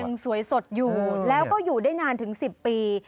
สวยสดอยู่แล้วก็อยู่ได้นานถึง๑๐ปี